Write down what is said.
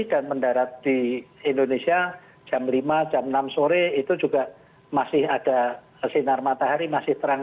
dan mendarat di indonesia jam lima jam enam sore itu juga masih ada sinar matahari masih terang